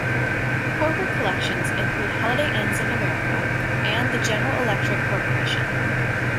Corporate collections include Holiday Inns of America and the General Electric Corporation.